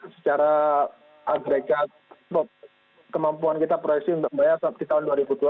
secara agregat kemampuan kita proyeksi untuk membayar di tahun dua ribu dua puluh